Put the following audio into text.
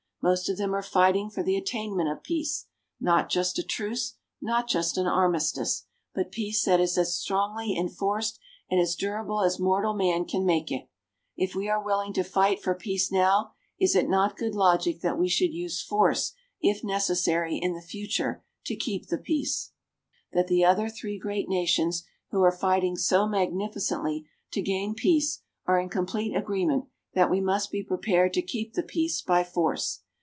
Most of them are fighting for the attainment of peace not just a truce, not just an armistice but peace that is as strongly enforced and as durable as mortal man can make it. If we are willing to fight for peace now, is it not good logic that we should use force if necessary, in the future, to keep the peace? I believe, and I think I can say, that the other three great nations who are fighting so magnificently to gain peace are in complete agreement that we must be prepared to keep the peace by force.